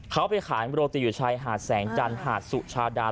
เขาไปขายโรตีอยู่ชายหาดแสงจันทร์หาดสุชาดา